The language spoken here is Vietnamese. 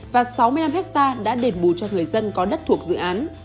và sáu mươi năm hectare đã đền bù cho người dân có đất thuộc dự án